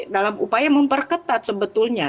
dalam upaya memperketat sebetulnya